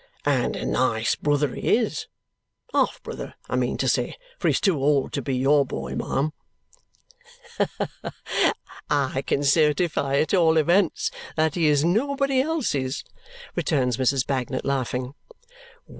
"And a nice brother he is half brother I mean to say. For he's too old to be your boy, ma'am." "I can certify at all events that he is not anybody else's," returns Mrs. Bagnet, laughing.